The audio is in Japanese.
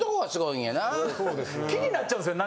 気になっちゃうんですよね